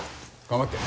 頑張って。